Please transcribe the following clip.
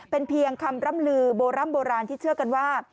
เป็นเพียงคำร่ำลือโบร่ำโบราณที่เชื่อกันว่า